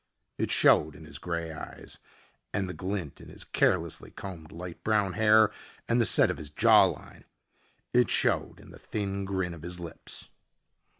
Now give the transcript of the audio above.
It showed in his grey eyes and the glint in his carelessly combed light brown hair and the set of his jawline. It showed in the thin grin of his lips.